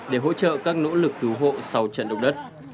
để hỗ trợ các nỗ lực cứu hộ sau trận động đất